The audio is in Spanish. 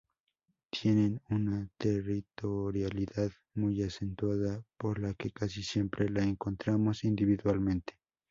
Tienen una territorialidad muy acentuada por lo que casi siempre lo encontramos individualmente.